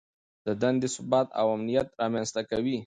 دندې ثبات او امنیت رامنځته کوي.